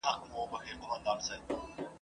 پکښي نه ورښکارېدله خپل عیبونه ..